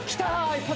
一発！